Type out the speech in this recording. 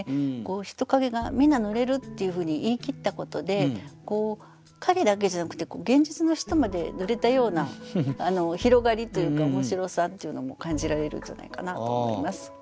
人影が「みな濡れる」っていうふうに言い切ったことで影だけじゃなくて現実の人まで濡れたような広がりというか面白さっていうのも感じられるんじゃないかなと思います。